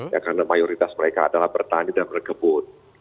ya karena mayoritas mereka adalah bertani dan berkebun